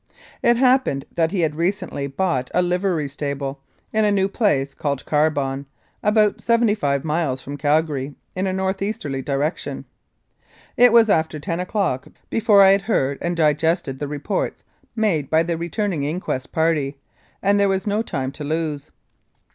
It happened that he had recently bought a livery stable business in a new place called Carbon, about seventy five miles from Calgary in a north easterly direction. It was after 10 o'clock before I had heard and digested the reports made by the returning inquest party, and there was no time to lose.